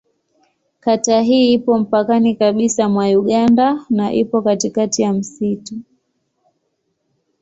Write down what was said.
Kata hii ipo mpakani kabisa mwa Uganda na ipo katikati ya msitu.